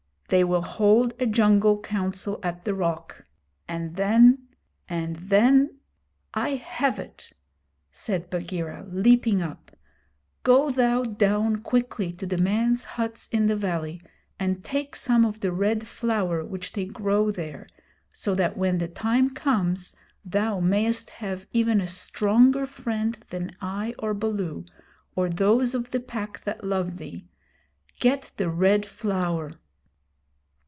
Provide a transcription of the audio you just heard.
They will hold a jungle Council at the Rock, and then and then I have it!' said Bagheera, leaping up. 'Go thou down quickly to the men's huts in the valley, and take some of the Red Flower which they grow there, so that when the time comes thou mayest have even a stronger friend than I or Baloo or those of the Pack that love thee. Get the Red Flower.'